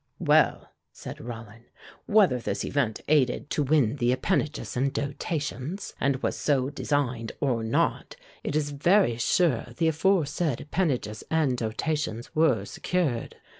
"Well," said Rollin, "whether this event aided to win the appanages and dotations, and was so designed, or not, it is very sure the aforesaid appanages and dotations were secured.